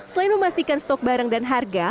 selain memastikan stok barang dan harga